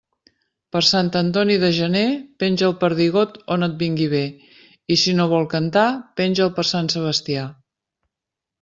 Per Sant Antoni de gener penja el perdigot on et vingui bé, i si no vol cantar, penja'l per Sant Sebastià.